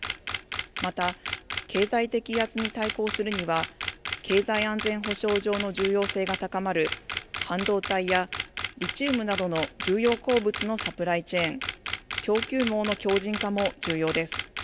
また経済的威圧に対抗するには経済安全保障上の重要性が高まる半導体やリチウムなどの重要鉱物のサプライチェーン・供給網の強じん化も重要です。